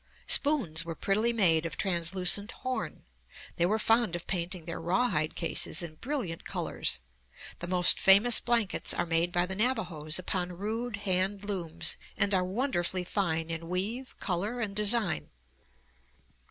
Spoons were prettily made of translucent horn. They were fond of painting their rawhide cases in brilliant colors. The most famous blankets are made by the Navajoes upon rude hand looms and are wonderfully fine in weave, color, and design.